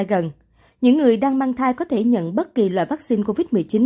trong tương lai gần những người đang mang thai có thể nhận bất kỳ loại vắc xin covid một mươi chín